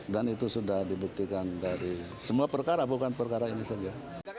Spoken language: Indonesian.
dan itu sudah dibuktikan dari semua perkara bukan perkara ini saja